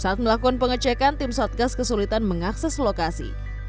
saat melakukan pengecekan tim satgas kesulitan mengakses lokasi